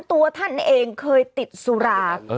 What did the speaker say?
ตัวท่านเองเคยติดสุรา